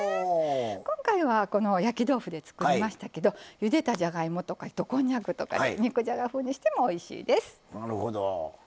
今回は焼き豆腐で作りましたけどゆでたじゃがいもとか糸こんにゃくとか肉じゃが風にしてもおいしいです。